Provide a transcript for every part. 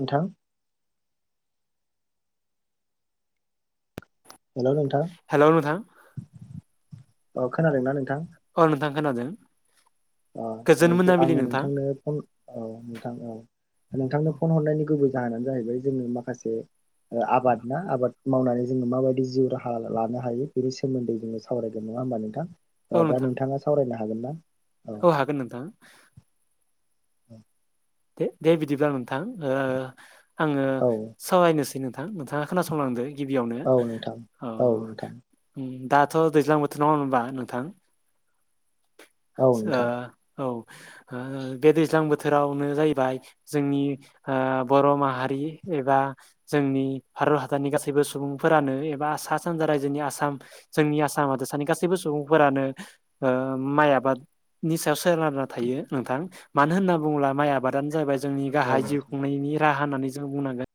नोंथां हेलौ नोंथां हेलौ नोंथां अ खोनादोंना नोंथां औ नोंथां खोनादों ओ गोजोन जो मोनाबिलि आङो नोंथां नोंथांनो फन औ नोंथां औ नोंथांनो फन हरनायनि गुबै जाहोनानो जाहैबाय जोंङो माखासे आबाद ना आबाद मावनानै जोङो माबायदि जिउ राहा लानो हायो बेनि सोमोन्दै जोङो सावरायगोन नङा होमबा औ नोंथां दा नोंथां नोंथाङा सावरायनो हागोन ना औ होगोन नोंथां [inaudible] दे दे बिदिब्ला नोंथां ओ आङो औ सावरायनोसै नोंथ थां नोंथाङा खोनासंलांदो गिबियावनो औ नोंथां अ औ नोंथां ओम दा थ' दैज्लां बोथोर नङा होनबा नोंथां औ ओ नोंथां औ हो बे दैज्लां बो थोरावनो जाहैबाय जोंनि ओ बर' माहारि एबा जोंनि भारत हादरनि गासैबो सुबुंफोरानो एबा सा सानजा रायजोनि आसाम जोंनि आसाम हादोरसानि गासैबो सुबुं फोरानो ओ माइ आबादनि सायाव सोनारना थायो नोंथां मानो होनना बुंङोब्ला माइ आबादानो जाबाय जोंनि औ गाहाय जिउ नोंथां खुंनायनि राहा होननानै जों बुंनांगोन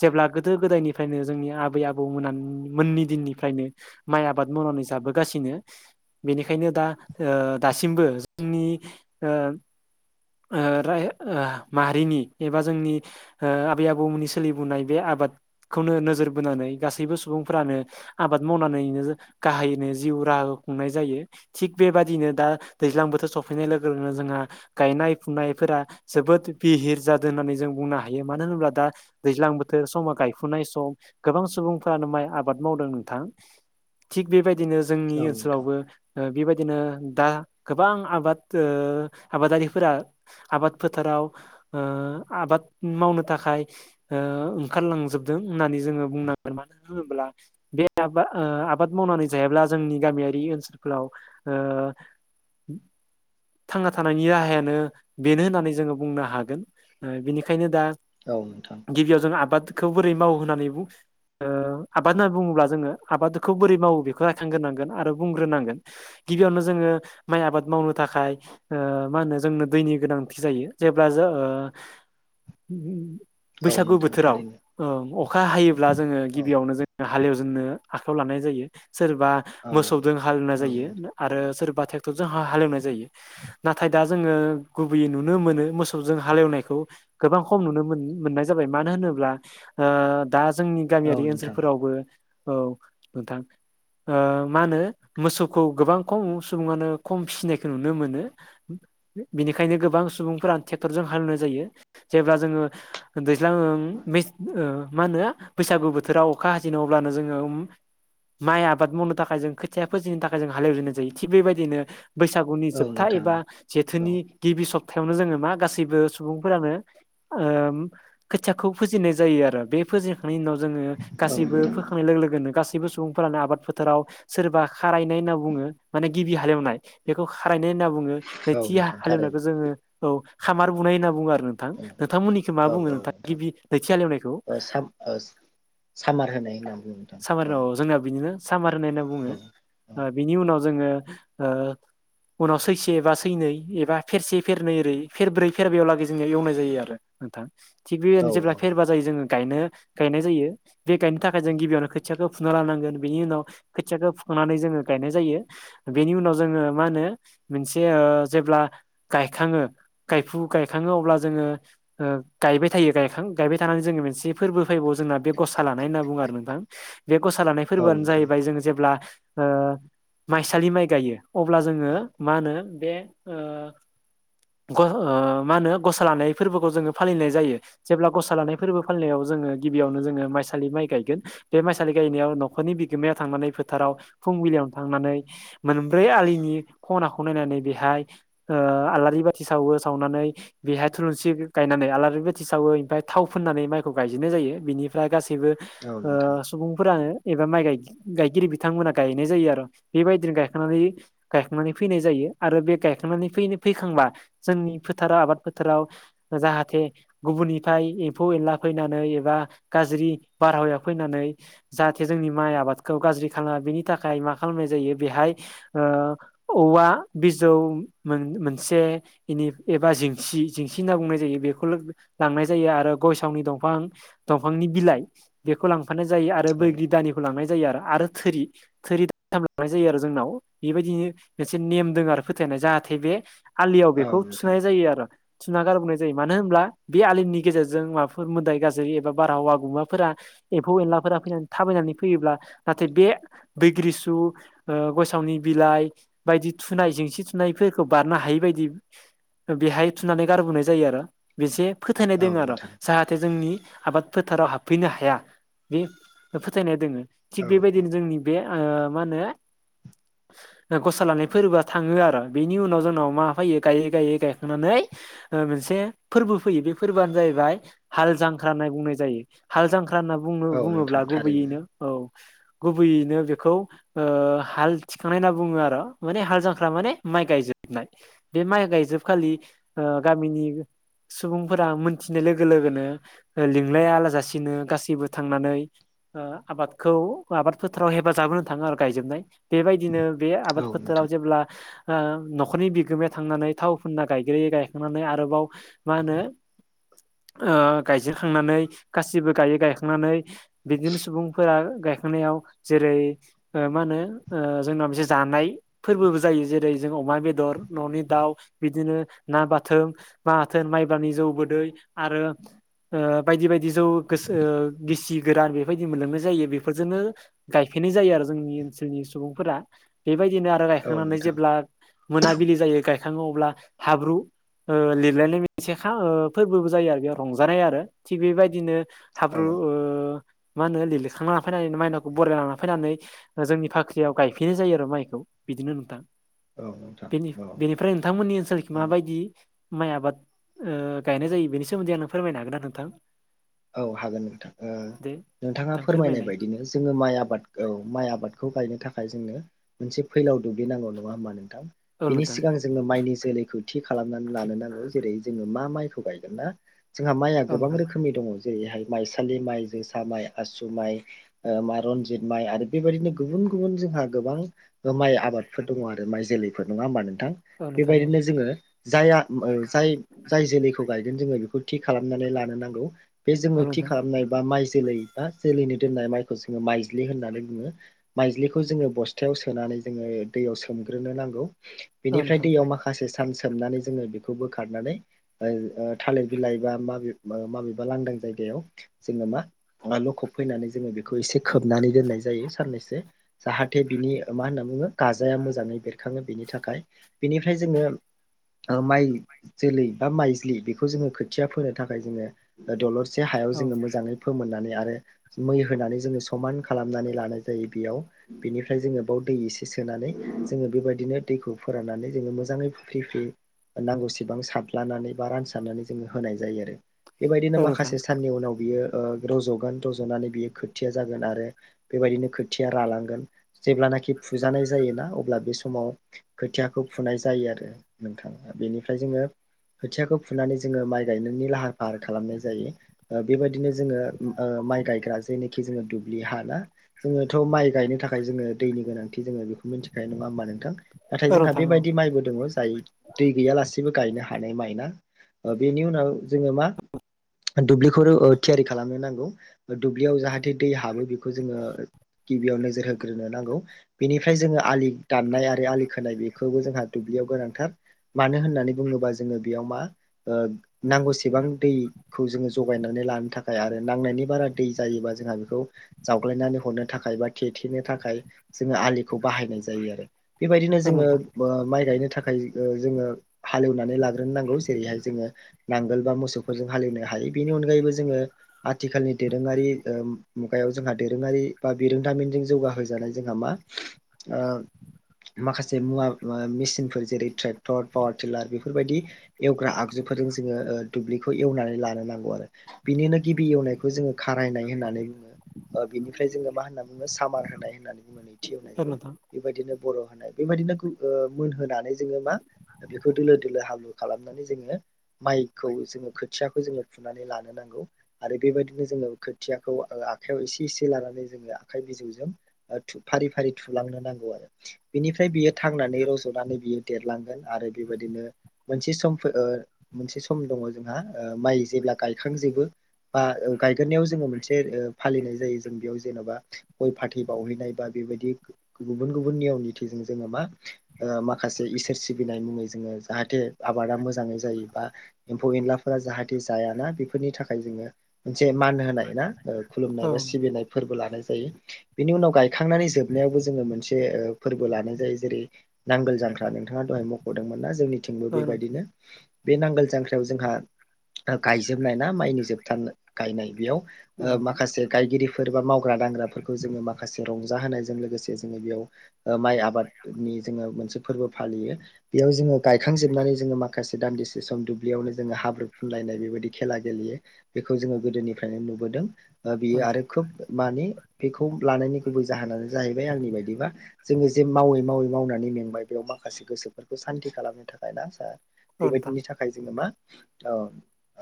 जेब्ला गोदो गोदायनिफ्रायनो जोंनि आबै आबौ मोना मोननि दिननिफ्रायनो माइ आबाद मावना नै जाबोगासिनो बेनिखायनो दा ओ दासिमबो जोंनि ओ ओ माहारिनि एबा जोंनि ओ आबै आबौमोननि सोलिबोनाय बे आबाद खौनो नोजोर बोनानै गासैबो सुबुंफ्रानो आबाद मावनानैनो गाहायनो जिउ राहा नाय जायो थिग बेबादिनो दा दैज्लां बोथोर सफैनाय लोगो लोगोनो जोंहा गायनाय फुनायफोरा जोबोद बिहिर जादों होननानै जों बुंनो हायो मानो होनोब्ला दा दैज्लां बोथोर समा गायफुनाय सम गोबां सुबुंफ्रानो माइ आबाद मावदों नोंथां थिग बेबाय दिनो जोंनि औ नोंथां ओनसोलावबो ओ बेबाय दिनो दा गोबां आबाद ओ आबादारि फोरा आबाद फोथाराव ओ आबाद मावनो थाखाय ओ ओंखारलांजोबदों होननानै जोङो बुंनांगोन मानो होनोब्ला बे आबा ओ आबाद मावनानै जायाब्ला जोंनि गामियारि ओनसोलफोराव ओ थांना थानायनि राहाया नो बेनो होननानै जोङो बुंनो हागोन बेनिखायनो दा औ नोंथां गिबियाव जों आबादखौ बोरै मावो होननानै बु ओ आबाद होननानै बुङोब्ला जोङो आबादखौ बोरै मावो बेखौ रायखांगोनांगोन आरो बुंग्रोनांगोन गिबियावनो जोङो माइ आबाद मावनो थाखाय ओ मा होनो जोंनो दैनि गोनांथि जायो जेब्ला जो ओ औ बैसागु नोंथां बोथोराव थारैनो ओ अखा हायोब्ला जोङो औ गिबियावनो जोङो हालेवजेननो। आखाइायाव लानाय जायो सोरबा औ मोसौदो हालेवनाय औ जायो नोंथां आरो सोरबा टेक्टरदों हा-हालेवनाय जायो नाथाय दा जोङो गुबैयै नुनो मोनो मोसौजो हालेवनायखौ गोबां खम नुनो मोन-मोननाय जाबाय मानो होनो नोब्ला ओ दा जोंनि औ गामियारि नोंथां ओनसोलफोरावबो औ नोंथां। ओ मा होनो मोसौखौ गोबां खम सुबुङानो खम फिसिनायखौ नुनो मोनो। बिनिखायनो गोबां सुबुंफोरा टेक्टरजों हालोवनाय जायो जेब्ला जोङो दैज्लां ओं। बिस ओ मा होनो बैसागु बोथोराव अखा हाजेनो अब्लानो जोङो माइ आबाद मावनो थाखाय जों खोथिया फोजिनो थाखाय जों हालेवजेननाय जायो थिग बेबायदिनो। बैसागुनि औ जोबथा नोंथां एबा औ जेथोनि गिबि सप्तायावनो जोङो मा गासैबो सुबुंफोरानो ओम खोथियाखौ फोजेननाय जायो आरो। बे फोजेनखांनायनि उनाव जोङो औ गासैबो नोंथां फोखांनाय लोगो लोगोनो गास सैबो सुबुंफोरानो आबाद फोथाराव सोरबा खारायनाय होनना बुङो माने गिबि हालेवनाय बेखौ खारायनाय होनना बु औ नैथि नोंथां हालेवनायखौ थारैनो जोङो औ खामार बुनाय होनना बुङो आर रो नोंथां नोंथांमोननिखै मा औ बुङो औ नोंथां गिबि नैथि हालेवनायखौ? ओ साम ओ सामार होनाय नाम सामार अ जोंना बिदिनो सामार होननाय होनना बुङो ओ औ बिनि उनाव जोङो ओ उनाव सैसे एबा सैनै एबा फेरसे फेरनै ओरै फेरब्रै फेरबायावलागै जोङो एवनाय जायो आरो नोंथां। थिग औ बेबायदिनो जेब्ला फेरबा जायो जोङ गायनो गायनाय जायो बे गायनो थाखाय जों गिबियावनो खोथियाखौ फुना लानांगोन बेनि उनाव खोथियाखौ फुखांनानै जोङो गायनाय जायो बेनि उनाव जोङो मा होनो मोनसे ओ जेब्ला गायखाङो गायफु गायखाङो अब्ला जोङो ओ गायबाय थायो गायखां गायबाय थानानै जोङो मोनसे फोर्बो फैबावो जोंना बे गसा लानाय होनना बुङो आरो नोंथां। बे गसा लानाय औ फोर्बोआनो नोंथां जाहैबाय जों जेब्ला ओ माइसालि माइ गायो अब्ला जोङो मा होनो बे ओ ग ओ मा होनो गसा लानाय फोर्बोखौ जोङो फालिनाय जायो जेब्ला गसा लानाय फोर्बो फालिनायाव जोङो गिबियावनो जोङो माइसालि माइ गायगोन। बे माइसालि गायनायाव न'खरनि बिगोमाया थांनानै फोथाराव फुंबिलियावनो थांनानै मोनब्रै आलिनि नि खनाखौ नायनानै बेहाय ओ आलारि बाथि सावो सावनानै बेहाय थुलुनसि बि गायनानै आलारि बाथि सावो इमफाय थाव फोननानै माइखौ गायजेननाय जायो बिनिफ्राय गासैबो औ नोंथां ओ सुबुंफोरानो एबा माइ गाय-गायगिरि बिथांमोना गायनाय जायो आरो बेबायदिनो गायखांनानै गाय खांनानै फैनाय जायो आरो बे गायखांनानै फैनाय फैखांबा जोंनि फोथाराव आबाद फोथाराव जा हाथे गुबुननिफाय एफौ-एनला फैनानै एबा गाज्रि बारहावाया फैनानै। जाहाथे जोंनि माइ आबादखौ गाज्रि खालामा बेनि थाखाय मा खालामनाय जायो बेहाय ओ औवा बिजौ मोन-मोनसे इनि एबा जेंसि जेंसि होनना बुंनाय जायो। बेखौ लों-लांनाय जायो आरो गयसावनि दफां-दंफांनि बिलाइ बेखौ लांफानाय जा जायो आरो औ बैग्रि दानिखौ लांनाय जायो आरो। आरो थोरि-थोरि थाम लांनाय जायो आरो जोंनाव बेबायदिनो मोनसे नेम दोङो आरो फोथायनाय जाहा थे बे आलियाव औ बेखौ नोंथां थुनाय जायो आरो। थुना गारबोनाय जायो मानो होनब्ला बे आलिनि गेजेरजों माबाफोर मोदाय गाज्रि एबा बारहावा गुमाफोरा। एफौ-एनला फोरा फैनानै थाबायनानै फैयोब्ला नाथाय बे दैग्रि सु ओ गयसावनि बिलाइ। बायदि थुनाय जेंसि थुनायफोरखौ बारनो हायि बायदि। बेहाय थुनानै गारबोनाय जायो आरो बेसे फोथायनाय औ दोङो आरो नोंथां जाहाथे जोंनि आबाद फोथाराव हाबफैनो हाया। बे फोथायनाया दोङो थिग औ बेबायदिनो जोंनि बे ओ मा होनो। ओ गसा लानाय फोर्बोआ थाङो आरो बेनि उनाव जोंनाव माबा फैयो गायै गायै गायखांनानै। ओ मोनसे फोर्बो फैयो बे फोर्बोआनो जाहैबाय हाल जांख्रा होनना बुंनाय जायो हाल जांख्रा होनना औ औ बुङो-बुङोब्ला नोंथां थारैनो गुबैयैनो औ। गुबैयैनो बेखौ ओ हाल थिखांनाय होनना बुङो आरो माने हाल जांख्रा माने माइ गायजोबनाय बे माइ गायजोबखालि ओ गामिनि सुबुंफोरा मोनथिनाय लोगो लोगोनो लिंलाया जासिनो गासैबो थांनानै ओ आबादखौ आबाद फोथाराव हेफाजाब होनो थाङो आरो गायजोबनाय बेबायदिनो बे आबाद औ फोथाराव नोंथां जेब्ला ओ न'खरनि बिगोमाया थांनानै थाव फुनना गायग्रोै गायखांनानै आरोबाव मा होनो ओ गायजेरखांनानै गासिबो गायै गायखांनानै बिदिनो सुबुंफोरा गायखांनायाव जेरै मा होनो ओ जोंना मोनसे जानाय फोरबोबो जायो जेरै जों अमा बेदर न'नि दाउ बिदिनो ना बाथोन माथोन माइबानि जौ गोदै आरो ओ बायदि बायदि जौ गोसो ओ गिसि गोरान बेबायदि मोनलोंनाय जायो बेफोरजोंनो गायफैनाय जायो आरो जोंनि ओनसोलनि सुबुंफोरा बे बेबायदिनो आरो औ गायखांनानै नोंथां जेब्ला मोनाबिलि जायो गायखाङो अब्ला हाब्रु ओ लिरलायनाय मोनसे फोरबोबो जायो आरो बेयाव रंजानाय आरो थिग बेबायदिनो ब्रु औ ओ मा होनो लिरखां फैनानै माइनावखौ बराय लांना फैनानै जोंनि फाख्रियाव गायफैनाय जायो आरो माइखौ बिदिनो नोंथां। नोंथां औ बेनि-बेनिफ्राय नोंथांमोननि ओनसोलखै औ माबायदि माइ आबाद ओ गायनाय जायो बेनि सोमोन्दै आंनो फोरमायनो हागोन आरो नोंथां? औ हागोन नोंथां ओ। दे नोंथाङा नोंथां फोरमायनाय फोरमायलाय बायदिनो जोङो माइ आबाद औ माइ आबादखौ गायनो थाखाय थाखाय जोंनो मोनसे फैलाव दुब्लि नांगौ नङा होमबा नोंथां। औ बिनि नोंथां सिगां जोङो माइनि जोलैखौ थि खालामनानै लानो नांगौ जेरै जोङो मा माइखौ गायगोन ना जोंहा माइया औ गोबां नोंथां रोखोमनि दङ। जेरैहाय माइसालि माइ जोसा माइ आसु माइ मा रनजित माइ आरो बेबायदिनो गुबुन गुबुन गुबुन जोंहा गोबां माइ आबादफोर दङ आरो माइ जोलैफोर नङा होमबा नों थां औ नोंथां औ बेबायदिनो जोङो जाया जाय जाय जोलैखौ गायगोन जोङो बेखौ थिग खालामनानै लानो नांगौ। बे औ जोङो थि नोंथां खालामनाय बा माइ जोलै बा जोलैनि दोननाय माइखौ जोङो माइज्लि होननानै बुङो। माइज्लिखौ जोङो बस्थायाव सोनानै जोङो दैयाव सोमग्रोनो नांगौ औ बेनिफ्राय नोंथां दैयाव माखासे सान सोबनानै जोङो बेखौ बोखारनानै ओ ओ थालिर बिलाइ बा माबे माबेबा लांदां जायगायाव जोङो मा लखब फैनानै जोङो बेखौ एसे खोबनानै दोननाय जायो साननैसो जाहाथे बिनि मा होनना बुङो गाजाया मोजाङै बेरखाङो बेनि थाखाय बेनिफ्राय जोङो माइ जोलै बा माइज्लि बेखौ जोङो खोथिया फोनो थाखाय जोङो दलर से हायाव औ जोङो मोजाङै फोमोननानै आरो मै होनानै जोङो समान खालामनानै लानाय जायो बेयाव बेनिफ्राय जोङो बे दै एसे सोनानै जोङो बेबायदिनो दैखौ फोराननानै जोङो मोजाङै फ्रि फ्रि नांगौसेबां सारलानानै बा रानसारनानै जोङो होनाय जायो। आरो बेबायदिनो औ नोंथां माखासे साननि उनाव बियो ओ रज'गोन रज'नानै बियो खोथिया जागोन आरो बेबायदिनो खोथिया रालांगोन जेब्लानाखि फुजानाय जायोना अब्ला बे समाव खोथियाखौ फुनाय जायो आरो नोंथां। बेनिफ्राय जोङो खोथियाखौ फुनानै जोङो माइ गायनायनि लाहार फाहार खालामनाय जायो। ओ बेबायदिनो जोङो ओ माइ गायग्रा जेनोखि जोङो दुब ब्लि हाना जोङोथ' माइ गायनो थाखाय जोङो दैनि गोनांथि जोङो बेखौ मिथिखायो नङा होमबा नोंथां? नाथाय औ जोंहा नोंथां बेबायदि माइबो दङ जाय दै गैयालासेबो गायनो हानाय माइना बेनि उनाव जोङो मा दुब्लि फोर ओ थियारि खालामनो नांगौ दुब्लियाव जाहाथे दै हाबो बेखौ जोङो गिबियाव नोजोर होग्रोनो नांगौ बेनिफ्राय जोङो, आलि दाननाय आरो आलि खोनाय बेखौबो जोंहा दुब्लि बेयाव गोनांथार। मानो होननानै बुङोबा जोङो बेयाव मा? ओ नांगौसेबां दै खौ जोङो। जगायनानै लानो थाखाय आरो नांनायनि बारा दै जायोबा जोंहा बेखौ जावग्लायनानै हरनो थाखाय बा थेद फिनो थाखाय जोङो आलिखौ बाहायनाय जायो आरो, बेबायदिनो औ जोङो नोंथां ओ माइ गायनो थाखाय ओ जोङो हालेवनानै लाग्रोनो नांगौ, जेरैहाय जोङो नांगोल बा, मोसौफोरजों हालेवनो हायो। बेनि अनगायैबो जोङो, आथिखालनि दोरोङारि ओ मुगायाव जोंहा दोरोङारि बा बिरोंदामिनजों। जौगा जानाय जोंहा मा? ओम। माखासे मुवा ओ मेसिनफोर जेरै- ट्रेक्टर, पावार टिलार बेफोरबायदि एवग्रा आगजु। फोर जोङो, ओ दुब्लिखौ एवनानै लानो नांगौ। औआरो, बिनिनो गिबि एवनायखौ जोङो खारायनाय होननानै बुङो। बिनिफ्राय जोङो मा होनना बुङो? सामार होनाय होननानै बुङो, नैथि औ एनायखौ। नोंथां बेबायदिनो बर' माने, बेबायदिनो गो ओ मोनहोनानै जोङो मा? बेखौ दोलो दोलो हाब्लु खालामनानै जोङो। माइ खौ जोङो, खोथियाखौ जोङो। फुनानै लानो नांगौ आरो बेबायदिनो जोङो खोथियाखौ ओ आखाइयाव एसे एसे लानानै जोङो आखाइनि। बिजौजों ओ फारि फारि थुलांनो नांगौ आरो, बेनिफ्राय बियो थांनानै रज'नानै बियो। एरलांगोन आरो बेबायदिनो, मोनसे सम फोर ओ मोनसे सम दंङ जोंहा, ओ माइ। जेब्ला गायखांजोबो। बा, ओ गायगोरनायाव जोङो मोनसे ओ फालिनाय जायो, जों बेयाव जेन'बा गय फाथै बावहैनाय बा बेव। बेबायदि, ग- गुबुन गुबुन नियम निथिजों जोङो मा? माखासे इसोर सिबिनाय मुङै जोङो। जाहाथे आबादा मोजाङै जायो बा एम्फौ एनलाफोरा जाहाथ। जायाना बेफोरनि थाखाय जोङो, मोनसे मान होनाय ना, ओ औ खुलुमनाय बा, सिबिनाय फोरबो लानायस। जायो। बेनि उनाव गायखांनानै जोबनायावबो जोङो मोनसे ओ फोरबो लानाय जायो जेरै- नांगोल जांख। ख्रा नोंथाङा दहाय मख'दोंमोन ना। जोंनिथिंबो नोंथां बेबायदिनो, बे नांगोल जांख्रायाव जोंहा। गायजोबनाय ना माइनि जोबथानो गायनाय, बेयाव औ नोंथां औ ओ नोंथां माखासे गायगिरिफोर बा माव। मावग्रा दांग्राफोरखौ जोङो माखासे रंजा होनायजों लोगोसे जोङो बेयाव ओ माइ आबाद नि जोङो। मोनसे फोरबो फालियो, बेयाव जोङो गायखांजोबनानै जोङो माखासे दान्दिसे सम दुब्लियावनो जोङो हाब्रु। खुनलायनाय बेबायदि खेला गेलेयो, बेखौ जोङो गोदोनिफ्रायनो नुबोदों, ओ बियो आरो खोब। मानेि, बेखौ लानायनि गुबै जाहोनानो जाहैबाय आंनि बायदिबा जोङो जे मावै मावै मावनानै। मेंबाय, बेयाव माखासे गोसोफोरखौ सान्तथि खालामनो थाखाय ना- सा, औ नोंथां बेबायदिनि थाखाय जोङो मा? ओ।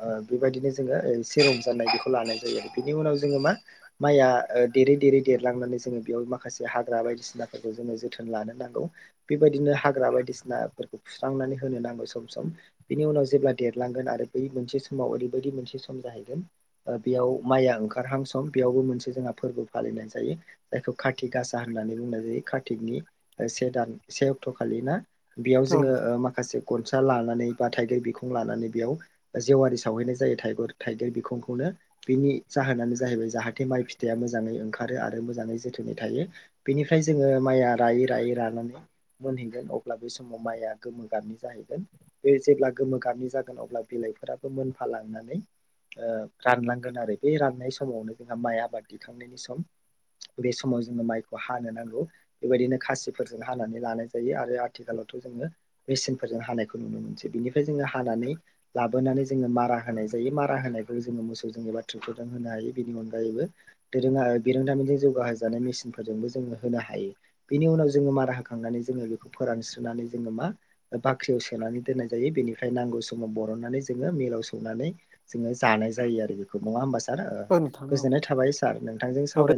ओ, बेबायदिनो जोङो एसे रं जानाय बेखौ लानाय जायो आरो, बिनि उनाव जोङो मा माइया दे। देरै-देरै देरलांनानै जोङो बेयाव माखासे हाग्रा बायदिसिनाफोरखौ जोङो जोथोन लानो नांगौ। बेबायदिनो हा। हाग्रा बायदिसि ना फोरखौ फुस्रांनानै होनो नांगौ सम-सम, बिनि उनाव जेब्ला देर। लांगोन आरो बै मोनसे समाव ओरैबायदि मोनसे सम जाहैगोन, ओ बेयाव माइया ओंखारहां सम बेयाव। गु मोनसे जोंहा फोरबो फालिनाय जायो। जायखौ खाथिगासा होननानै बुंनाय जायो। खाथिगनि ओ से। दान से अक्ट' खालि ना, बेयाव जोङो औ ओ माखासे गनसा लानानै बा, थाइगिर बिखुं लानानै। एयाव जेवारि सावहैनाय जायो। थाइगुर थाइगेर बिखंखौनो, बिनि जाहोनानो जाहैबाय जाहाथे माइनि। माइ फिथाइया मोजाङै ओंखारो आरो मोजाङै जोथोनै थायो। बेनिफ्राय जोङो माइया रायै रायै रानानै। मोनहैगोन। अब्ला बे समाव माइआ गोमो गाबनि जाहैगोन। बे जेब्ला गोमो गाबनि जागोन। अब। अब्ला बिलाइफोराबो मोनफालांनानै। ओ, रानलांगोन आरो बे राननाय समावनो बेहा माइ आबाद दिखांनायनि सम। बे समाव जोङो माइखौ हानो नांगौ बेबायदिनो खासिफोरजों हानानै लानाय जायो आरो आथिखालाव। थ' जोङो मेसिनफोरजों हानायखौ नुनो मोनसै बिनिफ्राय जोङो हानानै। लाबोनानै जोङो मारा होनाय जायो, मारा होनायखौ जोङो मोसौजों एबा थ्रिखौजों होनो हायो। बेनि अनगायैबो। दोरोङा बिरोंथामिनजों जौगा होजानाय मेसिनफोरजोंबो जों होनो हायो। बेनि उनाव जों मारा होखांना। माने जोङो बेखौ फोरानसनानै जोङो मा? बाख्रियाव सोनानै दोननाय जायो। बेनिफ्राय नांगौ समाव बरन। माने जोङो, मिलाव सौनानै जोङो जानाय जायो आरो बिखो नङा होमबासो। आरो औ नोंथां औ गोजोननाय थाबाय सार नोंथांजों औ सावरा य।